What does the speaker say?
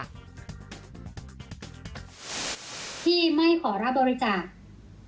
ที่ไม่ขอรับบริจาค